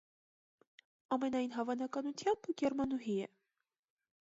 Ամենայն հավանականությամբ գերմանուհի է։